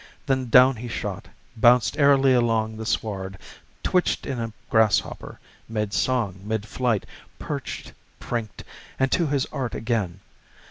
Then down he shot, bounced airily along The sward, twitched in a grasshopper, made song Midflight, perched, prinked, and to his art again.